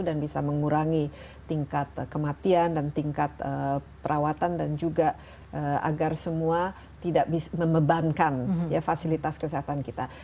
dan bisa mengurangi tingkat kematian dan tingkat perawatan dan juga agar semua tidak membebankan fasilitas kesehatan kita